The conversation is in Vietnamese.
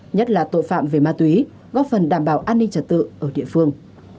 nhất là tội phạm về ma túy góp phần đảm bảo an ninh trật tự ở địa phương